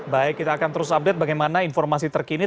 baik kita akan terus update bagaimana informasi terkini